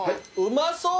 うまそう！